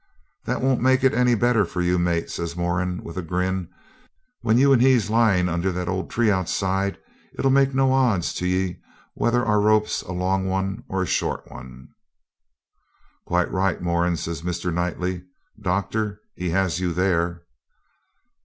'That won't make it any better for you, mate,' says Moran, with a grin. 'When you and he's lying under that old tree outside, it'll make no odds to yer whether our rope's a long or a short 'un.' 'Quite right, Moran,' says Mr. Knightley. 'Doctor, he has you there.'